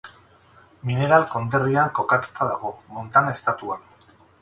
Mineral konderrian kokatuta dago, Montana estatuan.